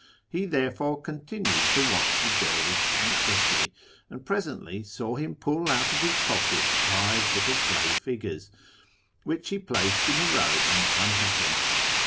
He therefore con tinued to watcli the dervish anxiously, and presently saw him pull out of his pocket five little clay figures, which he placed in a row in front of him.